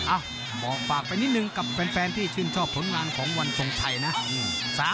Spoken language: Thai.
บอกฝากไปนิดนึงกับแฟนที่ชื่นชอบผลงานของวันทรงชัยนะ